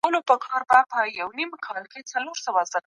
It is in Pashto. د ډيپلوماسۍ اصلي رول په نړيوال سياست کي څه دی؟